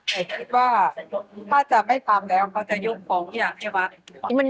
แต่คิดว่าถ้าจะไม่ตามแล้วเขาจะยุ่งของอย่างนี้บ้าง